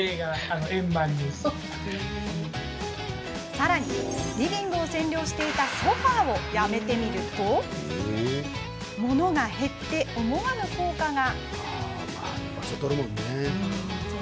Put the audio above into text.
さらにリビングを占領していたソファーをやめてみると物が減って、思わぬ効果が。